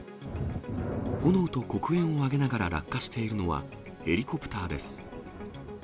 炎と黒煙を上げながら落下しているのは、ヘリコプターです。